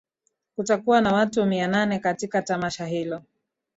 kutakuwa na watu mia nane katika tamasha hilo